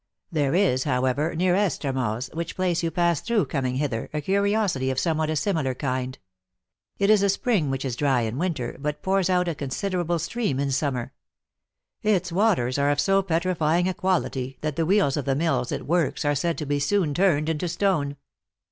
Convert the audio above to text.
There is, however, near Estremoz, which place you passed through coming hither, a curiosity of somewhat a similar kind. It is a spring which is dry in winter, but pours out a considerable stream in summer. Its w r aters are of so petrifying a quality, that the wheels of the mills it works are said to be soon turned into stone."